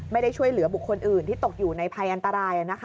ไม่ได้ช่วยเหลือบุคคลอื่นที่ตกอยู่ในภัยอันตราย